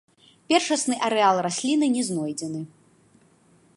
Першасны арэал расліны не знойдзены.